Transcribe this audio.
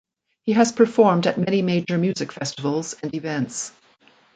He has performed at many major music festivals and events.